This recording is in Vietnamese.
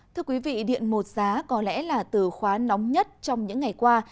thưa quý vị điện một giá có lẽ là từ khóa nóng nhất trong những ngày qua